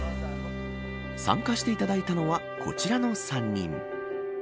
参加していただいたのはこちらの３人。